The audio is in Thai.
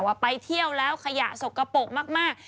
ว่าไปเที่ยวแล้วขยะสกปรกมาก